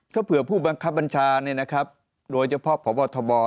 ถ้าเผื่อผู้บัญชาโดยเฉพาะพอบทบ